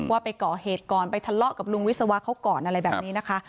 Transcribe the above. ว่าไปก่อเหตุก่อนไปทะเลาะกับลุงวิศวะเขาก่อนอะไรแบบนี้นะคะ